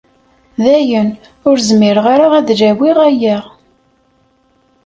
Dayen, ur zmireɣ ara ad lawiɣ aya.